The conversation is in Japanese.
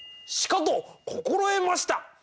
しかと心得ました！